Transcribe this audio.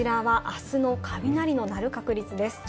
こちらはあすの雷の鳴る確率です。